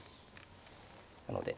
なので。